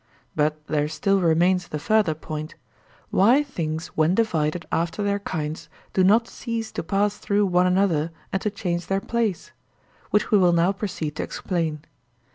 But there still remains the further point—why things when divided after their kinds do not cease to pass through one another and to change their place—which we will now proceed to explain.